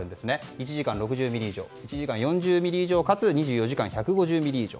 １時間６０ミリ以上１時間４０ミリ以上かつ２４時間１５０ミリ以上。